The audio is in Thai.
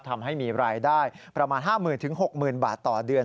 ทำให้มีรายได้ประมาณ๕๐๐๐๖๐๐๐บาทต่อเดือน